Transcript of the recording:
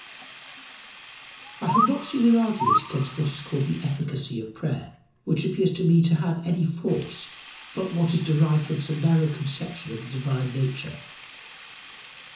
I have not seen an argument against what is called the efficacy of prayer which appears to me to have any force but what is derived from some narrow conception of the divine nature.